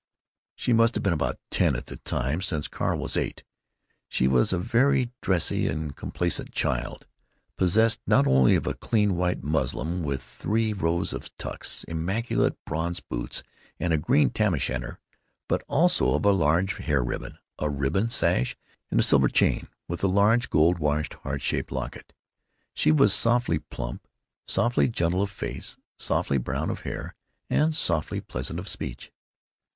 She must have been about ten at that time, since Carl was eight. She was a very dressy and complacent child, possessed not only of a clean white muslin with three rows of tucks, immaculate bronze boots, and a green tam o' shanter, but also of a large hair ribbon, a ribbon sash, and a silver chain with a large, gold washed, heart shaped locket. She was softly plump, softly gentle of face, softly brown of hair, and softly pleasant of speech.